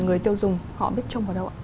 người tiêu dùng họ biết trông vào đâu ạ